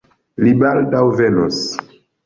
Li baldaŭ venos.